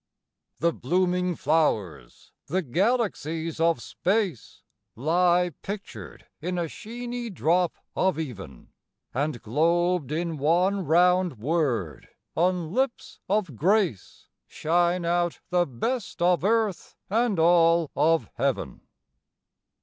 The blooming flowers, the galaxies of space, Lie pictured in a sheeny drop of even; And globed in one round word, on lips of grace, Shine out the best of earth and all of heaven.